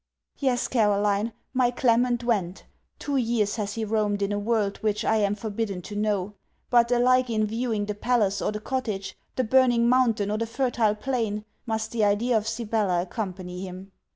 Yes, Caroline, my Clement went. Two years has he roamed in a world which I am forbidden to know. But, alike in viewing the palace or the cottage, the burning mountain or the fertile plain, must the idea of Sibella accompany him.